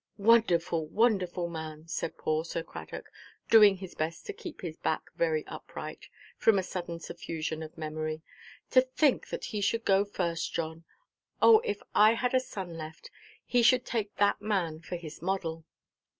"Wonderful, wonderful man!" said poor Sir Cradock, doing his best to keep his back very upright, from a sudden suffusion of memory,—"to think that he should go first, John! Oh, if I had a son left, he should take that man for his model."